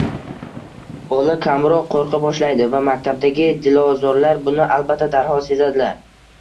bola kamroq qo‘rqa boshlaydi va maktabdagi dilozorlar buni albatta darhol sezadilar.